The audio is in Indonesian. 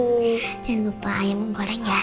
jangan lupa ayam goreng ya